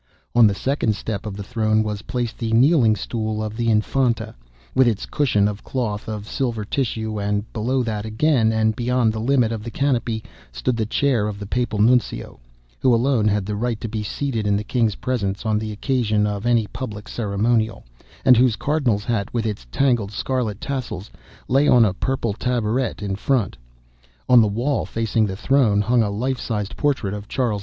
On the second step of the throne was placed the kneeling stool of the Infanta, with its cushion of cloth of silver tissue, and below that again, and beyond the limit of the canopy, stood the chair for the Papal Nuncio, who alone had the right to be seated in the King's presence on the occasion of any public ceremonial, and whose Cardinal's hat, with its tangled scarlet tassels, lay on a purple tabouret in front. On the wall, facing the throne, hung a life sized portrait of Charles V.